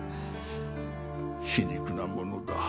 皮肉なものだ。